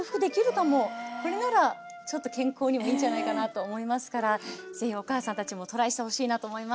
これならちょっと健康にもいいんじゃないかなと思いますから是非お母さんたちもトライしてほしいなと思います。